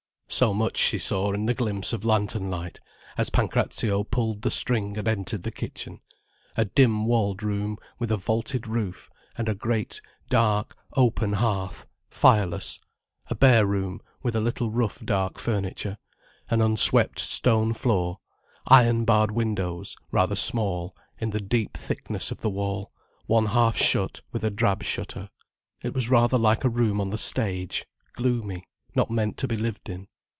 So much she saw in the glimpse of lantern light, as Pancrazio pulled the string and entered the kitchen: a dim walled room with a vaulted roof and a great dark, open hearth, fireless: a bare room, with a little rough dark furniture: an unswept stone floor: iron barred windows, rather small, in the deep thickness of the wall, one half shut with a drab shutter. It was rather like a room on the stage, gloomy, not meant to be lived in.